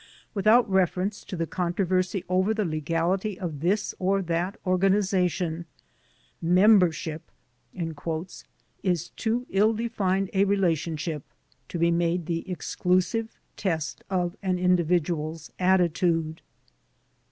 Without reference to the controversy over the legality of this or that organization, "membership" is too ill defined a relationship to be made the exclusive test of an individual's attitude.